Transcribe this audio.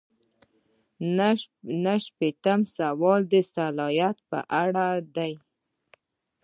نهه شپیتم سوال د صلاحیت په اړه دی.